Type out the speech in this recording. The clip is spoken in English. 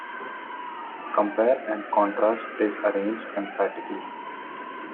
Compare and contrast is arranged emphatically.